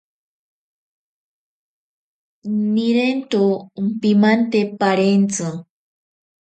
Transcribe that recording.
Nirento ompimante parentzi.